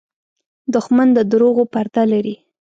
دښمن د دروغو پرده لري